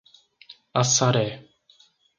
Assaré